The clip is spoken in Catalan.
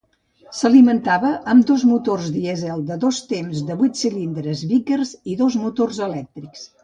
S'alimentava amb dos motors dièsel de dos temps de vuit cilindres Vickers i dos motors elèctrics.